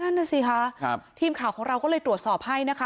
นั่นน่ะสิคะทีมข่าวของเราก็เลยตรวจสอบให้นะคะ